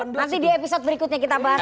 nanti di episode berikutnya kita bahas